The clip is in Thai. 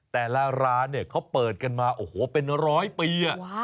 แต่ละร้านเนี่ยเขาเปิดกันมาโอ้โหเป็นร้อยปี